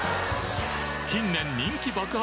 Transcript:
近年人気爆発！